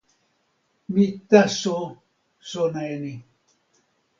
mi taso sona e ni.